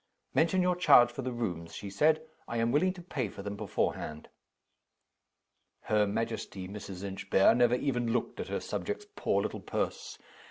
"Mention your charge for the rooms," she said. "I am willing to pay for them beforehand." Her majesty, Mrs. Inchbare, never even looked at her subject's poor little purse.